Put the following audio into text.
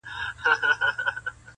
o خاموسي لا هم قوي ده تل,